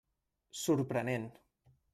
Sorprenent.